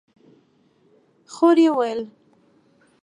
خور يې وويل: